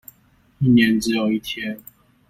一年只有一天